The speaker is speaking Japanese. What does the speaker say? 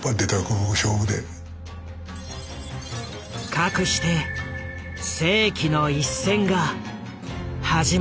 かくして「世紀の一戦」が始まった。